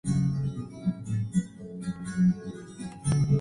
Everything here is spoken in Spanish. El documento asimismo determinó la creación de la comuna de Población.